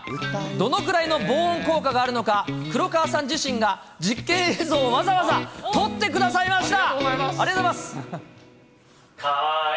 どのぐらいの防音効果があるのか、黒川さん自身が実験映像をわざわざ撮ってくださいました。